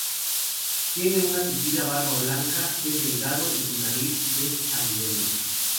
Tiene una tupida barba blanca, es delgado y su nariz es aguileña.